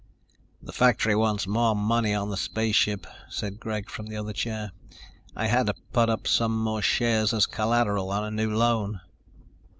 "The factory wants more money on the spaceship," said Greg from the other chair. "I had to put up some more shares as collateral on a new loan."